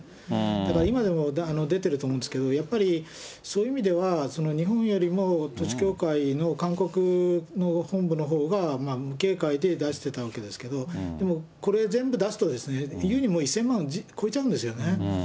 だから、今でも出てると思うんですけど、やっぱり、そういう意味では、日本よりも統一教会の韓国の本部のほうが無警戒で出してたわけですけど、でもこれ、全部出すと、優に１０００万円を超えちゃうんですよね。